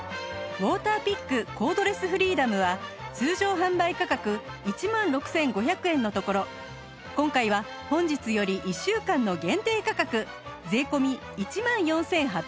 ウォーターピックコードレスフリーダムは通常販売価格１万６５００円のところ今回は本日より１週間の限定価格税込１万４８００円です